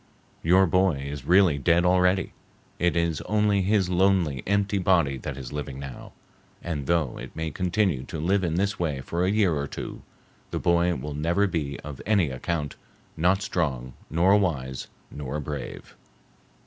Your boy is really dead already; it is only his lonely, empty body that is living now, and though it may continue to live in this way for a year or two, the boy will never be of any account, not strong, nor wise, nor brave."